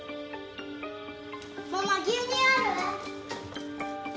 ママ牛乳ある？